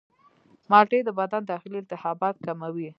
مالټې د بدن داخلي التهابات کموي.